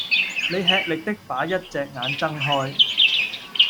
你吃力的把一隻眼睜開